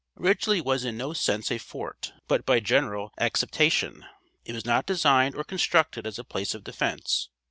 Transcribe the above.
Ridgely was in no sense a fort, but by general acceptation. It was not designed or constructed as a place of defense.